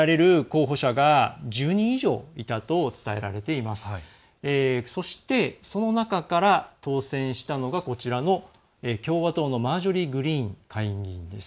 そして、その中から当選したのがこちらの共和党のマージョリー・グリーン下院議員。